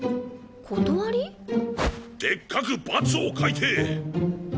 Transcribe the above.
でっかく×を書いて。